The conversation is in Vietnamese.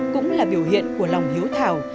cũng là biểu hiện của lòng hiếu thảo